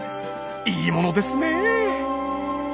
いいものですねえ！